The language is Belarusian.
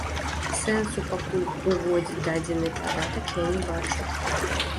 Сэнсу пакуль уводзіць дадзены падатак я не бачу.